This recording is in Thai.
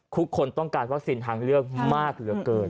ทุกคนต้องการวัคซีนทางเลือกมากเหลือเกิน